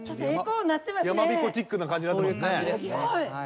山びこチックな感じになってますね。